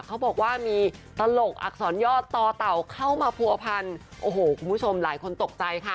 เขาบอกว่ามีตลกอักษรยอดต่อเต่าเข้ามาผัวพันโอ้โหคุณผู้ชมหลายคนตกใจค่ะ